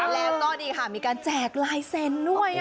แล้วก็นี่ค่ะมีการแจกลายเซ็นต์ด้วย